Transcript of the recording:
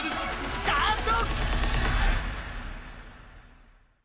スタート！